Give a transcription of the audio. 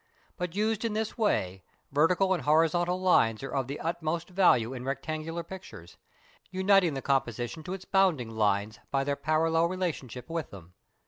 But used in this way, vertical and horizontal lines are of the utmost value in rectangular pictures, uniting the composition to its bounding lines by their parallel relationship with them.